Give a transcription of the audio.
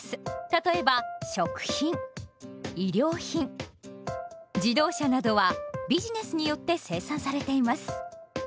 例えば食品衣料品自動車などはビジネスによって生産されています。